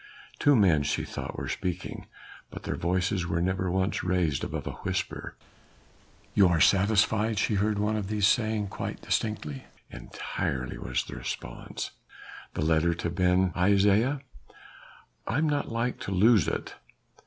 Two men, she thought, were speaking, but their voices were never once raised above a whisper. "You are satisfied?" she heard one of these saying quite distinctly. "Entirely!" was the response. "The letter to Ben Isaje?" "I am not like to lose it."